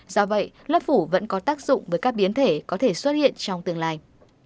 do vậy lớp phủ vẫn có tác dụng với các biến thể có thể xuất hiện trong tương lai